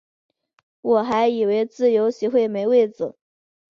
我还以为自由席会没位子